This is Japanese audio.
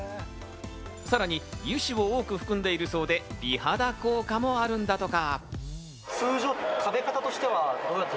さらに油脂を多く含んでいるそうで、美肌効果もあるんだとか。